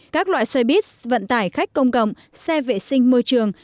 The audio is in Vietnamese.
các loại xe bít vận tải khách công cộng xe vệ sinh môi trường